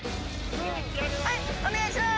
はいお願いします。